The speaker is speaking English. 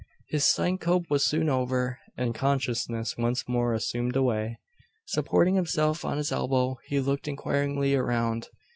His syncope was soon over, and consciousness once more assumed away. Supporting himself on his elbow, he looked inquiringly around.